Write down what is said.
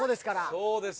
そうです。